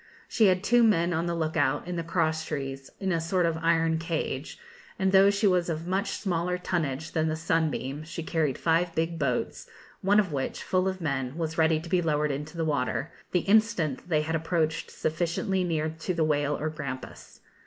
She had two men on the look out in the cross trees, in a sort of iron cage; and though she was of much smaller tonnage than the 'Sunbeam,' she carried five big boats, one of which, full of men, was ready to be lowered into the water, the instant they had approached sufficiently near to the whale or grampus.